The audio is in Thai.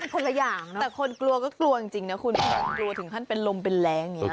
คนละอย่างนะแต่คนกลัวก็กลัวจริงนะคุณกลัวถึงขั้นเป็นลมเป็นแรงอย่างนี้